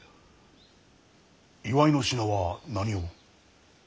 祝いの品は何を？